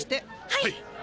はい！